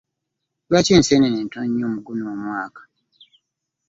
Lwaki ensenene ntono nnyo muguno omwaka?